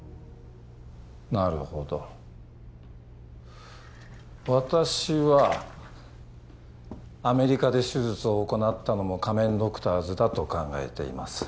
なるほど私はアメリカで手術を行ったのも仮面ドクターズだと考えています